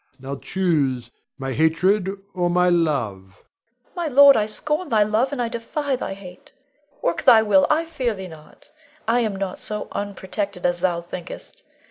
Now choose, my hatred, or my love. Leonore. My lord, I scorn thy love, and I defy thy hate. Work thy will, I fear thee not. I am not so unprotected as thou thinkest.